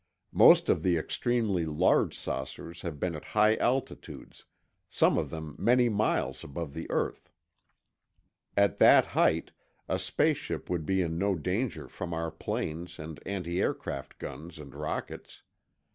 Most of the extremely large saucers have been at high altitudes, some of them many miles above the earth. At that height, a space ship would be in no danger from our planes and antiaircraft guns and rockets.